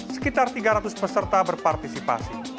sekitar tiga ratus peserta berpartisipasi